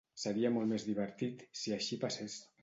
Seria molt més divertit si així passés.